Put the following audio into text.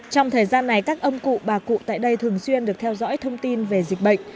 trong thời gian này các ông cụ bà cụ tại đây thường xuyên được theo dõi thông tin về dịch bệnh